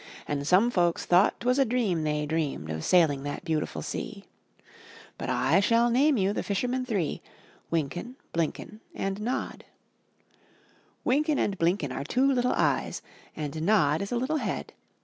And some folks thought 'twas a dream they dreamed Of sailing that beautiful sea — But I shall name you the fishermen three; Wynken, Blynken, and Nod. Wynken and Blynken are two little eyes. And Nod is a little head.